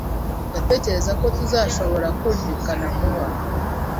Ndatekereza ko tuzashobora kumvikana vuba.